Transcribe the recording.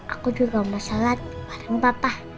aku juga mau sholat bareng papa